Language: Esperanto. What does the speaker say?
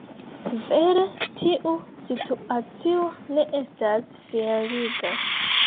Vere tiu situacio ne estas fieriga.